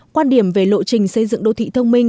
quan điểm về lộ trình xây dựng đô thị thông minh